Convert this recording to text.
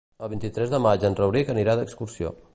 El vint-i-tres de maig en Rauric anirà d'excursió.